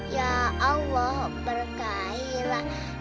ya allah berkahilah